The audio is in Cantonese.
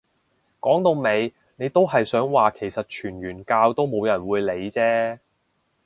講到尾你都係想話其實傳完教都冇人會理啫